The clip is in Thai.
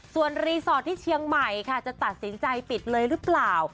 ส่วนรีสอร์ทที่เชียงใหม่ค่ะจะตัดสินใจปิดเลยหรือเปล่า